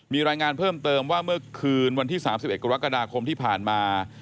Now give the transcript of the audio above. มีรายงานเพิ่มเติมว่าเมื่อคืนวันที่๓๑กรกฎาคมที่ผ่านมา